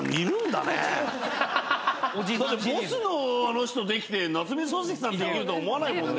だってＢＯＳＳのあの人できて夏目漱石さんできるとは思わないもんね。